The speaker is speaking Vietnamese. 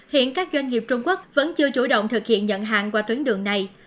hiện các doanh nghiệp trung quốc vẫn chưa chủ động thực hiện nhận hàng qua tuyến đường này